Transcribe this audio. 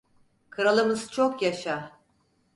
Kralımız çok yaşa!